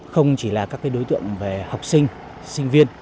không chỉ là các đối tượng về học sinh sinh viên